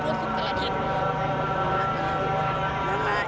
ตอนนี้เป็นครั้งหนึ่งครั้งหนึ่ง